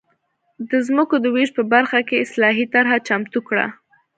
د ځمکو د وېش په برخه کې اصلاحي طرحه چمتو کړه.